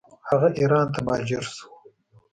هغه ایران ته مهاجر شو.